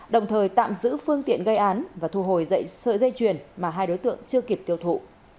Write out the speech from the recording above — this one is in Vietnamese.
đồng thời tạm giữ phương tiện gây án và thu hồi dậy sợi dây chuyền mà hai đối tượng chưa kịp tiêu thụ